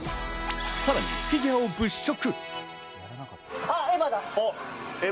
さらにフィギュアを物色。